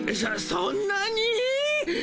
そそんなに？